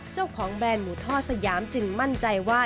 แบรนด์หมูทอดสยามจึงมั่นใจว่า